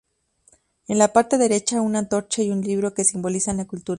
En la parte derecha una antorcha y un libro que simbolizan la cultura.